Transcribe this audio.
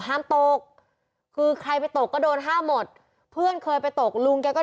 ห้ามตกคือใครไปตกก็โดนห้ามหมดเพื่อนเคยไปตกลุงแกก็